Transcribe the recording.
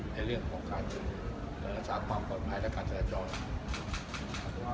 ในเรื่องของการสามารถความปลอดภัยและการเสร็จของตาม